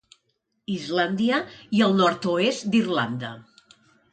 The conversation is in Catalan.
Islàndia i el nord-oest d'Irlanda.